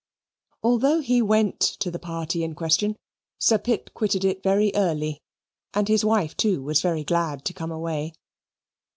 Although he went to the party in question, Sir Pitt quitted it very early, and his wife, too, was very glad to come away.